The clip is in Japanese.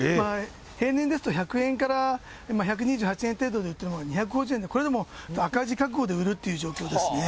平年ですと、１００円から１２８円で売ってるものが、、これでも赤字覚悟で売るという状況ですね。